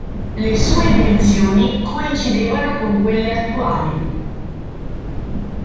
Le sue dimensioni coincidevano con quelle attuali.